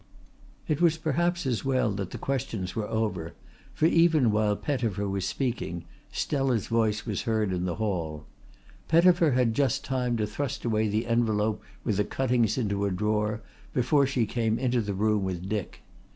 It was perhaps as well that the questions were over, for even while Pettifer was speaking Stella's voice was heard in the hall. Pettifer had just time to thrust away the envelope with the cuttings into a drawer before she came into the room with Dick.